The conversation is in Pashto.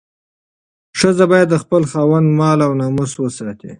ښځه باید د خپل خاوند مال او ناموس وساتي.